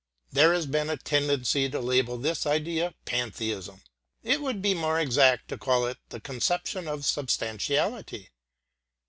There has been a tendency to label this idea pantheism. It would be more exact to call it the conception of substantiality.